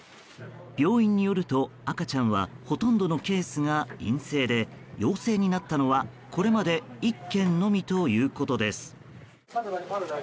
病院によると赤ちゃんはほとんどのケースが陰性で陽性になったのは、これまで１件のみということです。